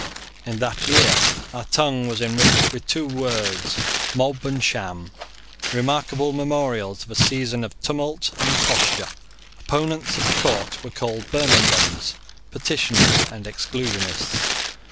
In that year our tongue was enriched with two words, Mob and Sham, remarkable memorials of a season of tumult and imposture. Opponents of the court were called Birminghams, Petitioners, and Exclusionists.